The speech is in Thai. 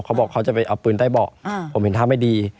เขาบอกเขาจะไปเอาปืนใต้เบาะ